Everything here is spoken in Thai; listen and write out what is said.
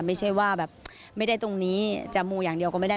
ไม่ใช่ว่าแบบไม่ได้ตรงนี้จะมูอย่างเดียวก็ไม่ได้